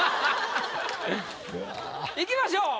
いきましょう。